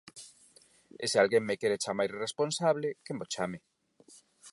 E se alguén me quere chamar irresponsable, que mo chame.